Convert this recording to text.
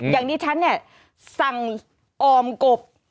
อย่างนี้ฉันเนี่ยสั่งออมกบ